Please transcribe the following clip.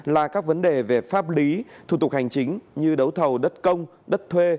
là các vấn đề về pháp lý thủ tục hành chính như đấu thầu đất công đất thuê